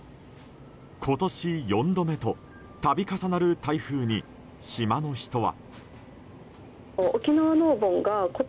今年４度目と、度重なる台風に島の人は。